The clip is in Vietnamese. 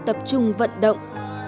sự tập trung vận động